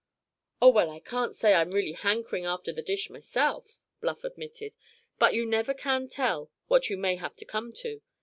"Oh, well, I can't say I'm really hankering after the dish myself," Bluff admitted; "but you never can tell what you may have to come to.